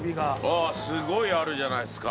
あっすごいあるじゃないですか。